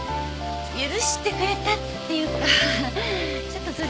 許してくれたっていうかちょっとずるした。